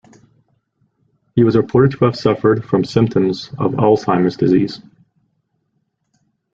He was reported to have suffered from symptoms of Alzheimer's disease.